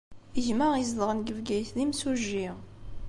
Gma izedɣen deg Bgayet d imsujji.